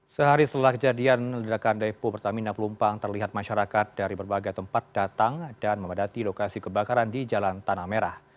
sehari setelah kejadian ledakan depo pertamina pelumpang terlihat masyarakat dari berbagai tempat datang dan memadati lokasi kebakaran di jalan tanah merah